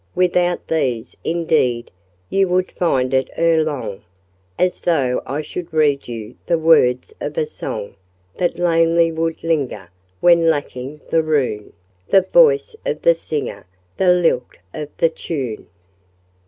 Without these, indeed, you Would find it ere long, As though I should read you The words of a song That lamely would linger When lacking the rune, The voice of the singer, The lilt of the tune.